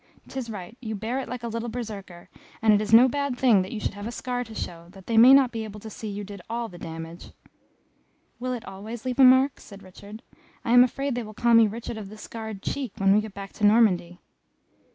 'Tis right, you bear it like a little Berserkar, and it is no bad thing that you should have a scar to show, that they may not be able to say you did all the damage." "Will it always leave a mark?" said Richard. "I am afraid they will call me Richard of the scarred cheek, when we get back to Normandy."